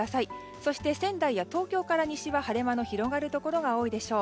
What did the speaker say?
そして仙台や東京から西は晴れ間の広がるところが多いでしょう。